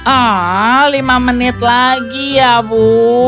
oh lima menit lagi ya bu